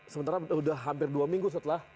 sementara sudah hampir dua minggu setelah